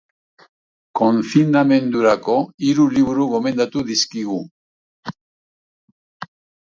Konfinamendurako hiru liburu gomendatu dizkigu.